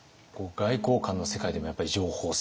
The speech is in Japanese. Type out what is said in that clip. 外交官の世界でもやっぱり情報戦？